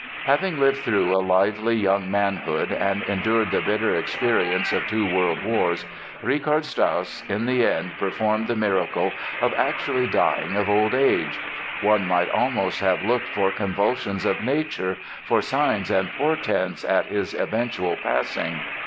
Having lived through a lively young manhood and endured the bitter experience of two world wars Richard Strauss in the end performed the miracle of actually dying of old age! One might almost have looked for convulsions of nature, for signs and portents at his eventual passing.